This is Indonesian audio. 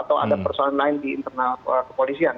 atau ada persoalan lain di internal kepolisian